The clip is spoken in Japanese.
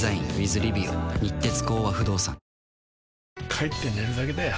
帰って寝るだけだよ